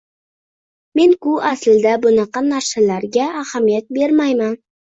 Men-ku aslida bunaqa narsalargaahamiyat bermayman.